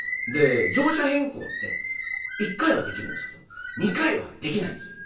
乗車変更って１回はできるんですけど２回はできないんですよ。